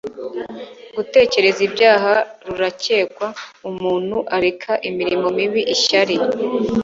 Gutekereza ibyaha kurarekwa, umuntu areka imirimo mibi, ishyari,